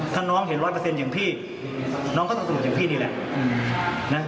ถ้าน้องเห็นร้อยเปอร์เซ็นต์อย่างพี่น้องก็ต้องตรวจอย่างพี่นี่แหละ